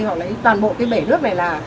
họ lấy toàn bộ cái bể nước này là